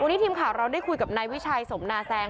วันนี้ทีมข่าวเราได้คุยกับนายวิชัยสมนาแซง